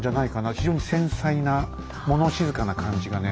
非常に繊細な物静かな感じがね